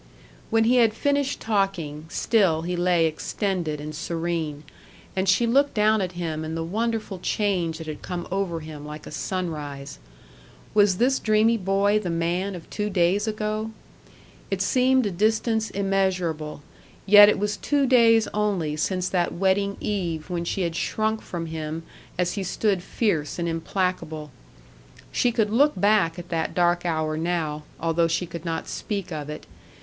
When he had finished talking, still he lay extended and serene; and she looked down at him and the wonderful change that had come over him, like a sunrise. Was this dreamy boy the man of two days ago? It seemed a distance immeasurable; yet it was two days only since that wedding eve when she had shrunk from him as he stood fierce and implacable. She could look back at that dark hour now, although she could not speak of it.